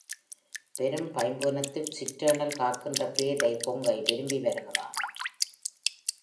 பெரும் பைம்புனத்தினுட் சிற்றேனல் காக்கின்ற பேதை கொங்கை விரும்பி வருகிறான்.